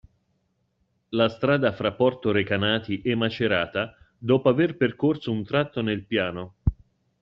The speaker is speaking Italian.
La strada fra Porto Recanati e Macerata, dopo aver percorso un tratto nel piano.